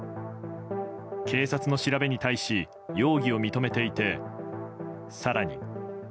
警察の調べに対し容疑を認めていて更に。